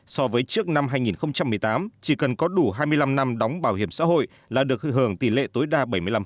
so với trước năm hai nghìn một mươi tám chỉ cần có đủ hai mươi năm năm đóng bảo hiểm xã hội là được hưởng tỷ lệ tối đa bảy mươi năm